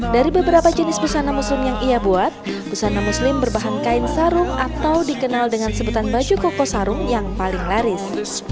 dari beberapa jenis busana muslim yang ia buat busana muslim berbahan kain sarung atau dikenal dengan sebutan baju koko sarung yang paling laris